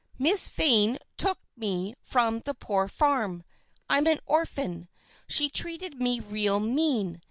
"Miss Vane took me from the poor farm. I'm an orphan. She treated me real mean.